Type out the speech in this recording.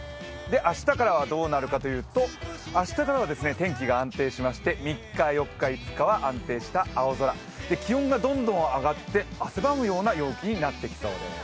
明日からはどうなるかというと天気が安定しまして、３日、４日、５日は気温がどんどん上がって汗ばむような陽気になってきそうです。